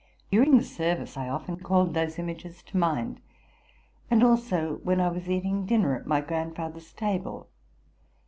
During the service I often called those images to mind, and also when I was eating dinner at my grandfather's table.